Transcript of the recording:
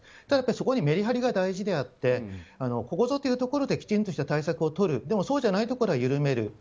ただ、そこにメリハリが大事であってここぞというところできちんとした対策をとるそうじゃないところは緩める。